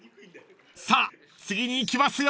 ［さあ次に行きますよ！］